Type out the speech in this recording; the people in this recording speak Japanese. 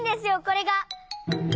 これが。